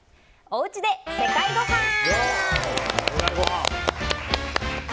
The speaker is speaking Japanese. おうちで世界ごはん。